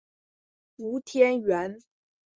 吴天垣。